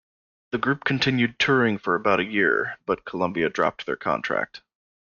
The group continued touring for about a year, but Columbia dropped their contract.